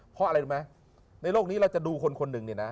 เพราะอะไรดูไหมในโลกนี้เราจะดูคนหนึ่ง